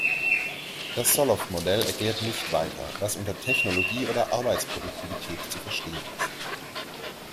Das Solow-Modell erklärt nicht weiter, was unter „Technologie“ oder „Arbeitsproduktivität“ zu verstehen ist.